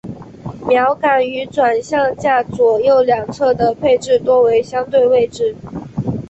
锚杆于转向架左右两侧的配置多为相对位置。